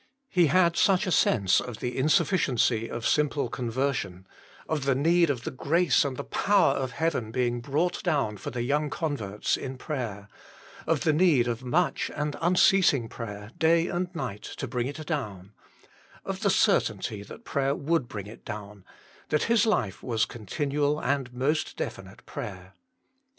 He had such a sense of the insufficiency of simple con version ; of the need of the grace and the power of heaven being brought down for the young converts in prayer; of the need of much and unceasing prayer, day and night, to bring it down ; of the certainty that prayer would bring it down that his life was continual and most definite prayer.